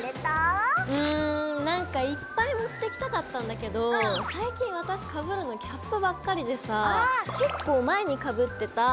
うんなんかいっぱい持ってきたかったんだけど最近私かぶるのキャップばっかりでさぁ結構前にかぶってたこれ！